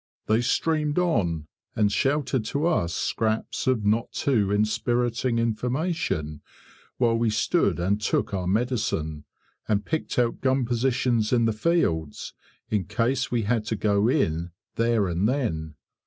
They streamed on, and shouted to us scraps of not too inspiriting information while we stood and took our medicine, and picked out gun positions in the fields in case we had to go in there and then.